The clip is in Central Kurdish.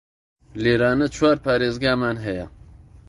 لێرانە چوار پاریزگامان هەیە